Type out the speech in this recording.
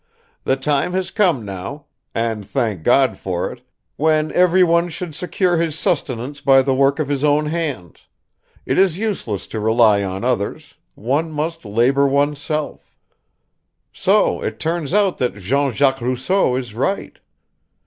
The time has come now and thank God for it! when everyone should secure his sustenance by the work of his own hands: it is useless to rely on others; one must labor oneself. So it turns out that Jean Jacques Rousseau is right.